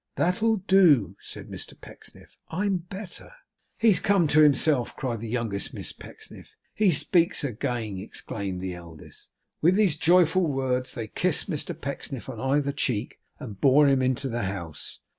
'That'll do,' said Mr Pecksniff. 'I'm better.' 'He's come to himself!' cried the youngest Miss Pecksniff. 'He speaks again!' exclaimed the eldest. With these joyful words they kissed Mr Pecksniff on either cheek; and bore him into the house.